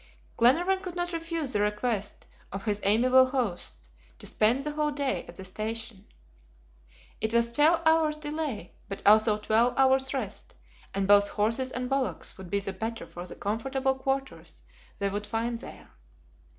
Glenarvan could not refuse the request of his amiable hosts, to spend the whole day at the station. It was twelve hours' delay, but also twelve hours' rest, and both horses and bullocks would be the better for the comfortable quarters they would find there.